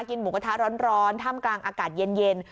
กินหมูกระทะร้อนถ้ำกลางอากาศเย็น